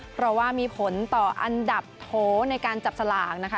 เพราะว่ามีผลต่ออันดับโถในการจับสลากนะคะ